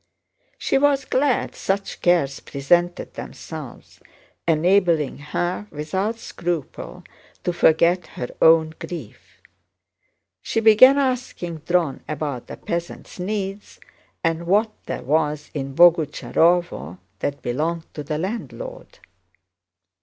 She was glad such cares presented themselves, enabling her without scruple to forget her own grief. She began asking Dron about the peasants' needs and what there was in Boguchárovo that belonged to the landlord.